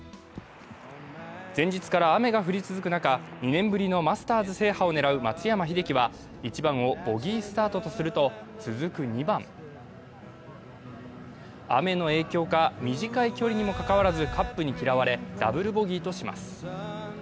前日から雨が降り続く中、２年ぶりのマスターズ制覇を狙う松山英樹は１番をボギースタートとすると、続く２番、雨の影響か短い距離にもかかわらずカップに嫌われ、ダブルボギーとします。